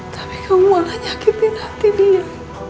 tapi kamu malah nyakitin hati dia